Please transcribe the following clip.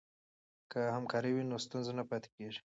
که همکاري وي نو ستونزه نه پاتې کیږي.